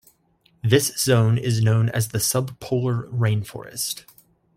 This zone is known as the"sub-polar rainforest".